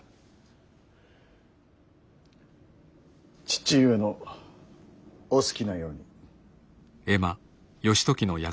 父上のお好きなように。